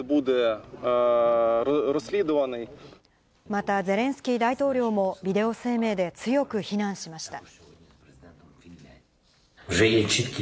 またゼレンスキー大統領も、ビデオ声明で強く非難しました。